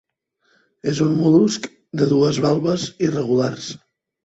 És un mol·lusc de dues valves irregulars.